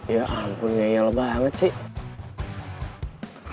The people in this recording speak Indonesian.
ya ampun ngeyel banget sih